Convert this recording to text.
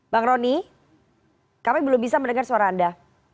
bang roni kami belum bisa mendengar suara anda